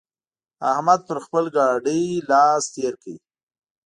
احمد پر خپل ګاډي لاس تېر کړ.